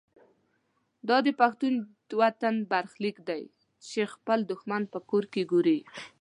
دا د پښتون وطن برخلیک دی چې خپل دښمن په کور کې ګوري.